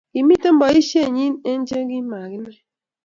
Kimeto boishet nyi eng che makinai